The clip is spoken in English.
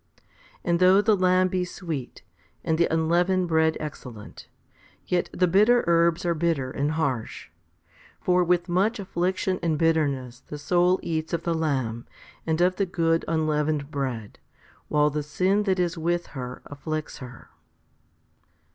And though the lamb be sweet, and the unleavened bread excellent, yet the bitter herbs are bitter and harsh j for with much affliction and bitterness the soul eats of the lamb and of the good unleavened bread, while the sin that is with her afflicts her.